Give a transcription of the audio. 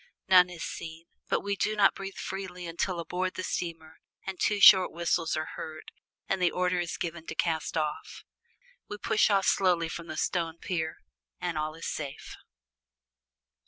None is seen, but we do not breathe freely until aboard the steamer and two short whistles are heard, and the order is given to cast off. We push off slowly from the stone pier, and all is safe.